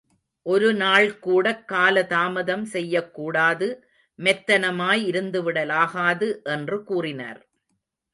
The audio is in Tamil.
ஒருநாள் கூடக் காலதாமதம் செய்யக் கூடாது, மெத்தனமாய் இருந்துவிடலாகாது என்று கூறினார்.